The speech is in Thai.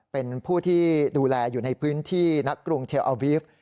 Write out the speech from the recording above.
เป็นผู้ที่ดูแลอยู่ในพื้นที่ณกรุงเทลอาวีฟ